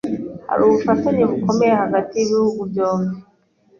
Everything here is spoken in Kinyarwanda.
Hariho ubufatanye bukomeye hagati yibi bihugu byombi.